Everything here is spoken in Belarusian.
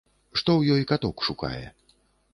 Што ёй каток шукае.